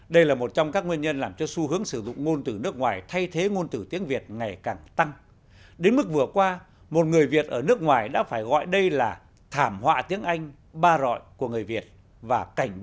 đây là một trong các nguyên nhân